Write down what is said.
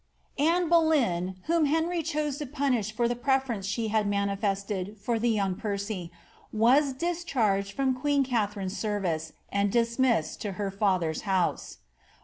Anne Boleyn, whom Henry chose to punish for the preference she had manifested for young Percy, was dischai^ed from queen Katharine't service, and dismissed to her father's house.